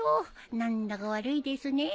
何だか悪いですねえ